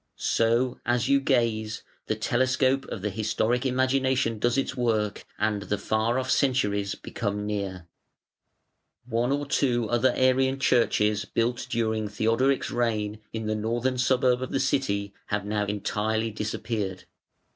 So, as you gaze, the telescope of the historic imagination does its work, and the far off centuries become near. One or two other Arian churches built during Theodoric's reign in the northern suburb of the city have now entirely disappeared.